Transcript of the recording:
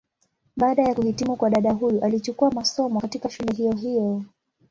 Baada ya kuhitimu kwa dada huyu alichukua masomo, katika shule hiyo hiyo.